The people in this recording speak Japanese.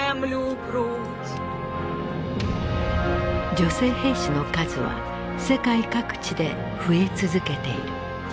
女性兵士の数は世界各地で増え続けている。